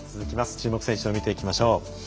注目選手を見ていきましょう。